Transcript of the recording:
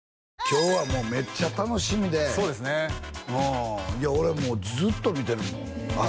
今日はもうめっちゃ楽しみでそうですねいや俺もうずっと見てるもん朝